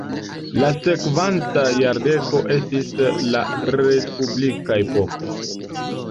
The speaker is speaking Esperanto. La sekvonta jardeko estis la respublika epoko.